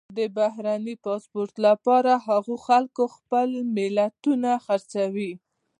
د بهرني پاسپورټ لپاره هغو خلکو خپلې ملیتونه خرڅوي.